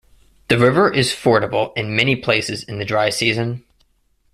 The river is fordable in many places in the dry season.